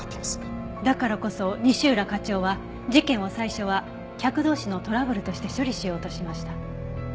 だからこそ西浦課長は事件を最初は客同士のトラブルとして処理しようとしました。